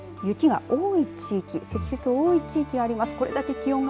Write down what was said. ただ雪が多い地域積雪の多い地域があります。